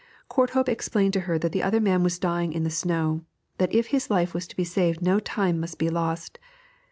Courthope explained to her that the other man was dying in the snow, that if his life was to be saved no time must be lost.